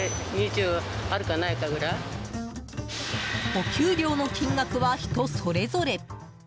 お給料の金額は人それぞれ。